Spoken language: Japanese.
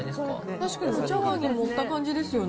確かにお茶わんに盛った感じですよね。